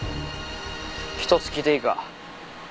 １つ聞いていいか？